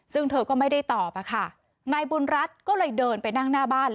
ซึ่งเธอก็ไม่ได้ตอบอะค่ะนายบุญรัฐก็เลยเดินไปนั่งหน้าบ้าน